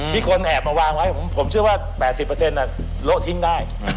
ที่คนแอบมาวางไว้ผมเชื่อว่า๘๐เปอร์เซ็นต์น่ะโละทิ้งได้